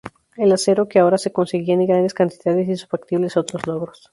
El acero que ahora se conseguía en grandes cantidades hizo factibles otros logros.